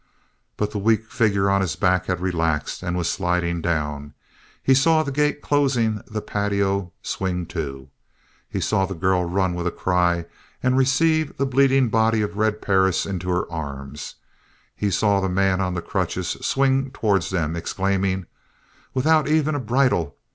But the weak figure on his back had relaxed, and was sliding down. He saw the gate closing the patio swing to. He saw the girl run with a cry and receive the bleeding body of Red Perris into her arms. He saw the man on crutches swing towards them, exclaiming " without even a bridle!